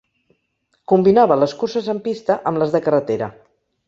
Combinava les curses en pista amb les de carretera.